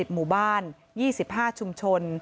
หมู่บ้าน๒๕ชุมชน